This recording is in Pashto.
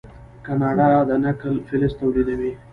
کاناډا د نکل فلز تولیدوي.